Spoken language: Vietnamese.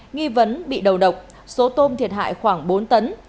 nghi vấn bị đầu độc số tôm thiệt hại khoảng bốn tấn